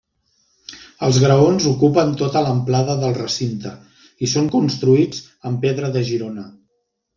Els graons ocupen tota l'amplada del recinte i són construïts amb pedra de Girona.